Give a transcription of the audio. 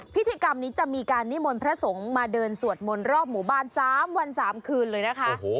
พิธีกรรมนี้จะมีการนิมนต์พระสงฆ์มาเดินสวดมนต์รอบหมู่บ้าน๓วัน๓คืนเลยนะคะ